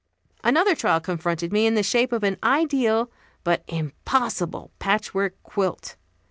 Another trial confronted me in the shape of an ideal but impossible patchwork quilt.